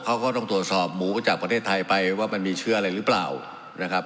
เขาก็ต้องตรวจสอบหมูจากประเทศไทยไปว่ามันมีเชื้ออะไรหรือเปล่านะครับ